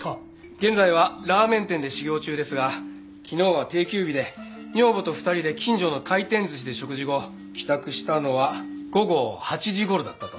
現在はラーメン店で修業中ですが昨日は定休日で女房と２人で近所の回転寿司で食事後帰宅したのは午後８時頃だったと。